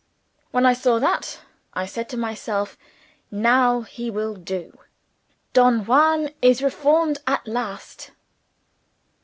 When I saw that, I said to myself, Now he will do; Don Juan is reformed at last.